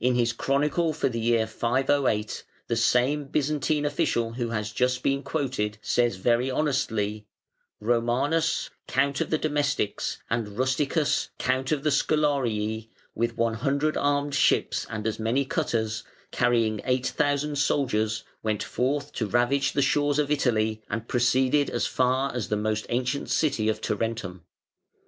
In his chronicle for the year 508, the same Byzantine official who has just been quoted, says very honestly: "Romanus Count of the Domestics and Rusticus Count of the Scholarii, with 100 armed ships and as many cutters, carrying 8,000 soldiers, went forth to ravage the shores of Italy, and proceeded as far as the most ancient city of Tarentum.